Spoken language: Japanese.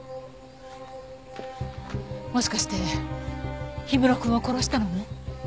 もしかして氷室くんを殺したのも？